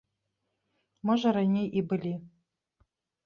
Можа раней і былі.